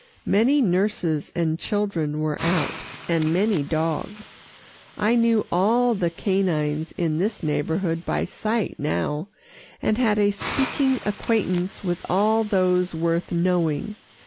Many nurses and children were out, and many dogs. I knew all the canines in this neighbourhood by sight now, and had a speaking acquaintance with all those worth knowing.